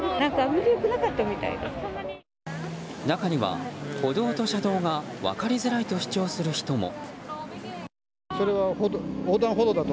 中には、歩道と車道が分かりづらいと主張する人も。